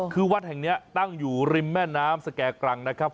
คือวัดแห่งนี้ตั้งอยู่ริมแม่น้ำสแก่กรังนะครับ